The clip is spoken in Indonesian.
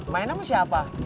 main sama siapa